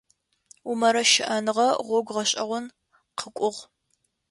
Умарэ щыӀэныгъэ гъогу гъэшӀэгъон къыкӀугъ.